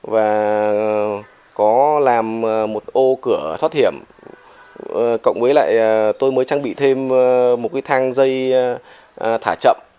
và có làm một ô cửa thoát hiểm cộng với lại tôi mới trang bị thêm một cái thang dây thả chậm